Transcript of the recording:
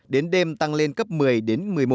đến đêm tăng lên cấp một mươi đến một mươi một